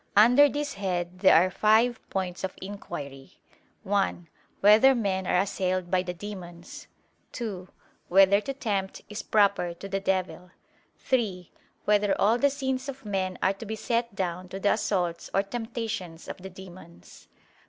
Under this head there are five points of inquiry: (1) Whether men are assailed by the demons? (2) Whether to tempt is proper to the devil? (3) Whether all the sins of men are to be set down to the assaults or temptations of the demons?